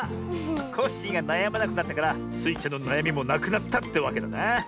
コッシーがなやまなくなったからスイちゃんのなやみもなくなったってわけだな。